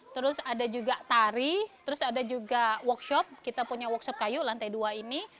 terus ada juga tari terus ada juga workshop kita punya workshop kayu lantai dua ini